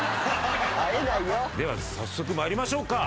では早速参りましょうか。